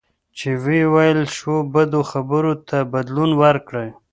چې ویل شوو بدو خبرو ته بدلون ورکړئ.